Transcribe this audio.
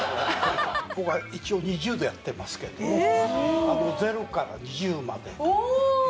僕は一応２０でやってますけど０から２０までおお！